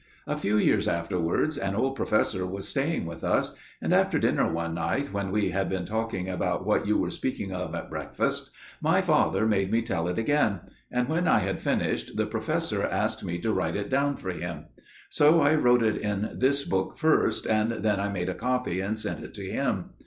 A few years afterwards an old professor was staying with us; and after dinner one night, when we had been talking about what you were speaking of at breakfast, my father made me tell it again, and when I had finished the professor asked me to write it down for him. So I wrote it in this book first; and then made a copy and sent it to him.